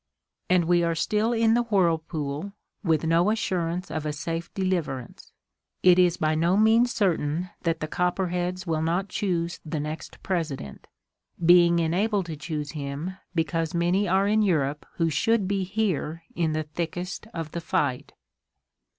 And we are still in the whirl pool, with no assurance of a safe deliverance. It is by no means certain that the Copperheads will not choose the next President — being enabled to choose him because many are in Europe who should be here in the thickest of the fight.